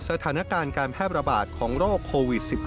สถานการณ์การแพร่ประบาดของโรคโควิด๑๙